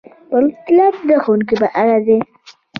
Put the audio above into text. مطلب د ښوونکي په اړه دی.